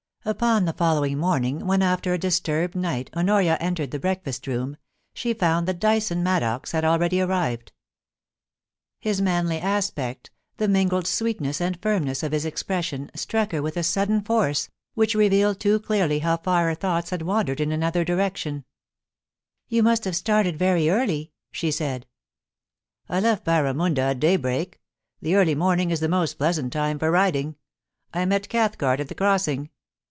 Upon the following morning, when, after a disturbed night, Honoria entered the breakfast room, she found that Dyson Maddox had already arrived. His manly aspect, the mingled sweetness and firmness of his expression, struck her with a sudden force, which re vealed too clearly how far her thoughts had wandered in another directioa A PIC NIC IN THE MOUNTAINS, 189 * You must have started very early/ she said. * I left Barramunda at daybreak. The early morning is the most pleasant time for riding. I met Cathcart at the Crossing.'